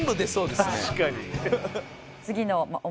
確かに。